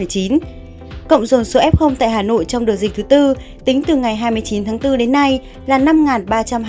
cộng dồn số f tại hà nội trong đợt dịch thứ tư tính từ ngày hai mươi chín tháng bốn đến nay là năm ba trăm hai mươi